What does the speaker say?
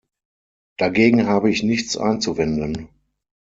Dagegen habe ich nichts einzuwenden.